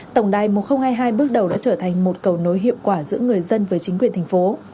tổng đài một nghìn hai mươi hai bước đầu đã trở thành một cầu nối hiệu quả giữa người dân với chính quyền thành phố